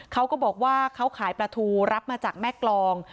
เขาก็บอกว่าเขาขายปลาทูรับมาจากแม่กรอง